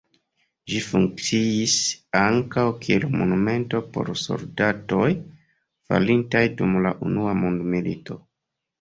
Ĝi funkciis ankaŭ kiel monumento por soldatoj falintaj dum la Unua mondmilito.